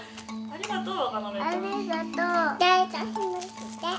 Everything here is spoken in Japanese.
「ありがとう」は？